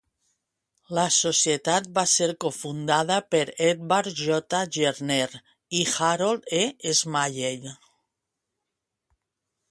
La societat va ser cofundada per Edward J. Gerner i Harold E. Smalley.